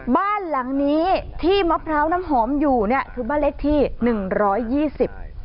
บ้านหลังนี้ที่มะพร้าวน้ำหอมอยู่เนี่ยคือบ้านเล็กที่หนึ่งร้อยยี่สิบ